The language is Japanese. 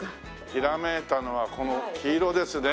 ひらめいたのはこの黄色ですね。